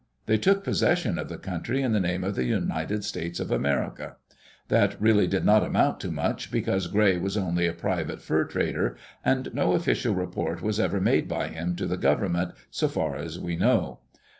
They took possession of the country in the name of the United States of America. That really did not amount to much because Gray was only a private fur trader, and no official report was ever made by him to the government, so far as we know.